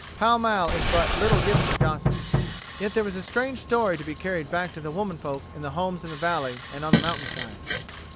Pall Mall is but little given to gossip. Yet there was a strange story to be carried back to the woman folk in the homes in the valley and on the mountainsides.